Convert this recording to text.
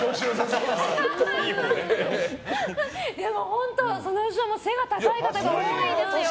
本当、その後ろも背が高い方が多いですよ。